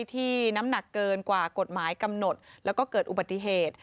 ที่น้ำหนักเกินกว่ากฎหมายกำหนดแล้วก็เกิดอุบัติเหตุ